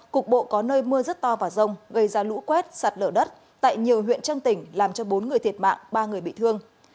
cục bộ có nơi mưa rất to và rông gây ra lũ quét sạt lở đất tại nhiều huyện trăng tỉnh làm cho bốn người thiệt mạng ba người bị thương